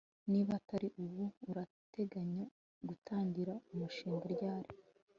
niba atari ubu, urateganya gutangira umushinga ryari